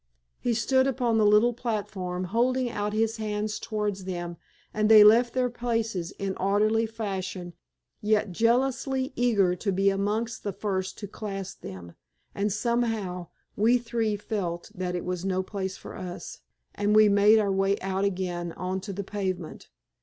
He stood upon the little platform holding out his hands towards them, and they left their places in orderly fashion, yet jealously eager to be amongst the first to clasp them, and somehow we three felt that it was no place for us, and we made our way out again on to the pavement.